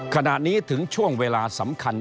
ขณะนี้ถึงช่วงเวลาสำคัญ